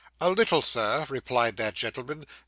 'A little, Sir,' replied that gentleman.